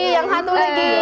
yang satu lagi